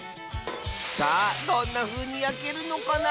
さあどんなふうにやけるのかな？